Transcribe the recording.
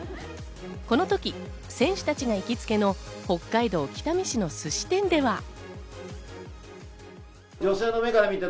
この時、選手たちが行きつけの北海道北見市のすし店では。